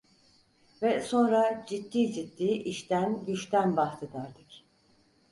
Ve sonra ciddi ciddi işten, güçten bahsederdik…